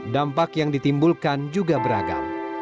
dampak yang ditimbulkan juga beragam